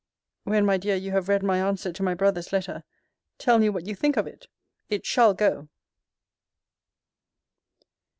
When, my dear, you have read my answer to my brother's letter, tell me what you think of me? It shall go!